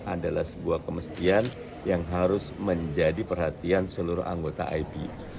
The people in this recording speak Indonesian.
adalah sebuah kemestian yang harus menjadi perhatian seluruh anggota ip